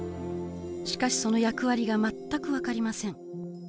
しかしその役割が全く分かりません。